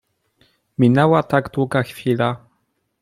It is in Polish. "Minęła tak długa chwila."